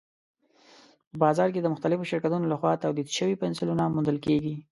په بازار کې د مختلفو شرکتونو لخوا تولید شوي پنسلونه موندل کېږي.